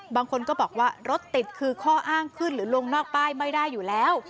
บางคนก็บอกว่ารถติดคือข้ออ้างขึ้นหรือลงนอกป้ายไม่ได้อยู่แล้ว